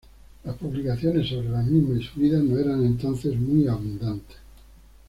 Las publicaciones sobre la misma y su vida no eran entonces muy abundantes.